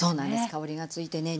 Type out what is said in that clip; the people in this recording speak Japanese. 香りが付いてね